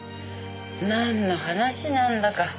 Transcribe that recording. なんの話なんだか。